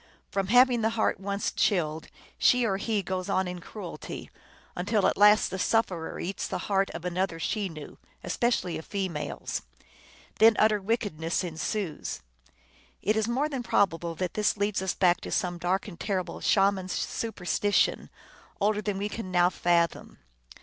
From having the heart once chilled, she or he goes on in cruelty, until at last the sufferer eats the heart of another Chenoo, especially a female s. Then utter wickedness ensues. It is more than probable that this leads us back to some dark and terrible Shaman superstition, older than we can now fathom.